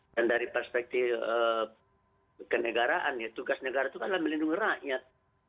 dan dari perspektif kenegaraan ya tugas negara itu kan adalah melindungi rakyat